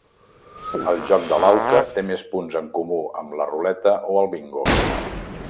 El joc de l'auca té més punts en comú amb la ruleta o el bingo.